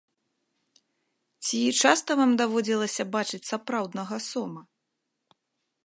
Ці часта вам даводзілася бачыць сапраўднага сома?